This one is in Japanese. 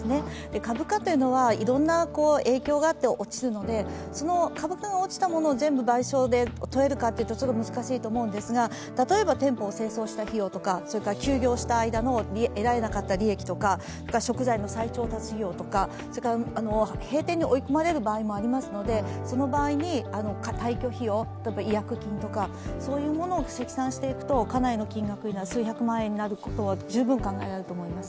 株価というのはいろんな影響があって落ちるのでその株価が落ちたものを全部賠償で問えるかというとそれは難しいと思うんですが例えば店舗を清掃した費用とか休業した間の得られなかった利益とか食材の再調達費用とか、閉店に追い込まれる場合もありますのでその場合に退去費用とか違約金とか、そういうものを積算していくとかなりの金額になる、数百万円になることは十分あると思います。